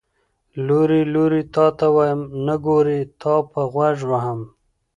ـ لورې لورې تاته ويم، نګورې تاپه غوږ وهم.